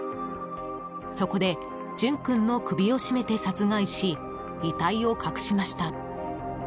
そこで淳君の首を絞めて殺害し遺体を隠しました。